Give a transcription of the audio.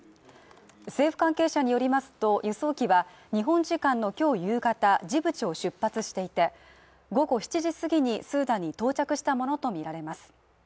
政府関係者によりますと、輸送機は日本時間の今日夕方、ジブチを出発していて午後７時過ぎにスーダンに到着したものとみられます。